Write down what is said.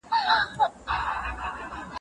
بد فکر بد کار زېږوي